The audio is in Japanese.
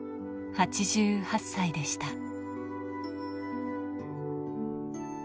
８８歳でした。